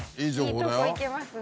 いいとこ行けますね。